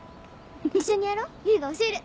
一緒にやろっ唯が教える！